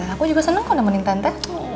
aku juga seneng kok nemenin tente